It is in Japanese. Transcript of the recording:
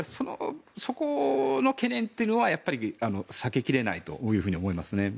そこの懸念というのは、やっぱり避けきれないと思います。